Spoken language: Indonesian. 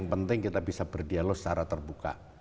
mungkin kita bisa berdialog secara terbuka